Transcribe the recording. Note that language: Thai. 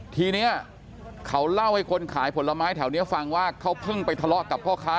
ทีนี้เขาเล่าให้คนขายผลไม้แถวนี้ฟังว่าเขาเพิ่งไปทะเลาะกับพ่อค้า